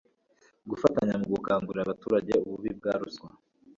gufatanya mu gukangurira abaturage ububi bwa ruswa